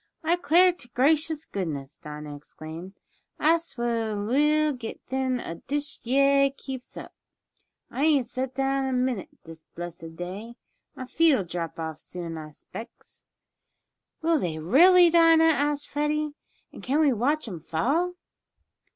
"I 'clar t' gracious goodness!" Dinah exclaimed, "I suah will get thin ef dish yeah keeps up! I ain't set down a minute dis blessed day. My feet'll drop off soon I 'specs." "Will they, really, Dinah?" asked Freddie. "And can we watch 'em fall?"